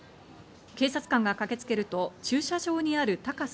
警察官が駆けつけると、駐車場にある高さ